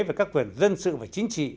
về các quyền dân sự và chính trị